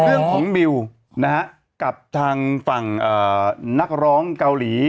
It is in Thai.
เรื่องของมิวนะฮะกับทางฝั่งเอ่อนักร้องเกาหลี